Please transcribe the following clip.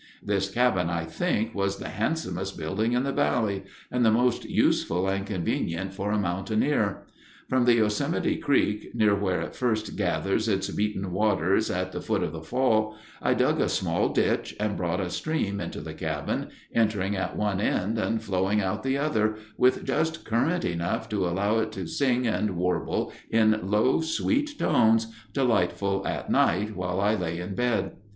This cabin, I think, was the handsomest building in the Valley, and the most useful and convenient for a mountaineer. From the Yosemite Creek, near where it first gathers its beaten waters at the foot of the fall, I dug a small ditch and brought a stream into the cabin, entering at one end and flowing out the other with just current enough to allow it to sing and warble in low, sweet tones, delightful at night while I lay in bed.